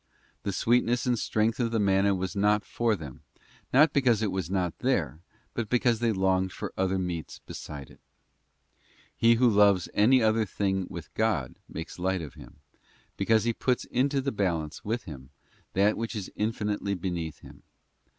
The sweetness and strength of the manna was not for them, not because it was not there, but because they longed for other meats beside it. He who loves any other thing with God makes light of Him, because he puts into the balance with Him that which is infinitely beneath Him.